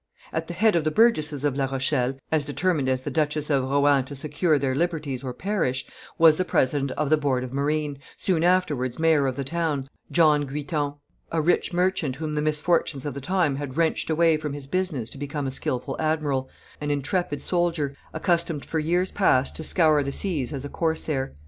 At the head of the burgesses of La Rochelle, as determined as the Duchess of Rohan to secure their liberties or perish, was the president of the board of marine, soon afterwards mayor of the town, John Gutton, a rich merchant, whom the misfortunes of the times had wrenched away from his business to become a skilful admiral, an intrepid soldier, accustomed for years past to scour the seas as a corsair.